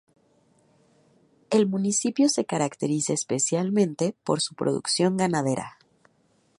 El municipio se caracteriza especialmente por su producción ganadera.